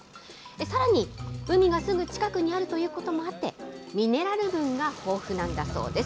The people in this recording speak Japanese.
さらに、海がすぐ近くにあるということもあって、ミネラル分が豊富なんだそうです。